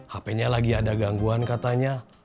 hpnya lagi ada gangguan katanya